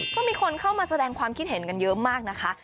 ก็มีคนเข้ามาแสดงความคิดเห็นกันเยอะมากนะคะ